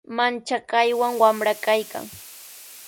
Manchakaywan wamra kaykan.